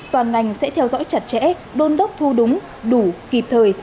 toàn ngành sẽ theo dõi chặt chẽ đôn đốc thu đúng đủ kịp thời